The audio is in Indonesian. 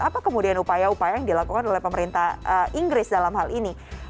apa kemudian upaya upaya yang dilakukan oleh pemerintah inggris dalam hal ini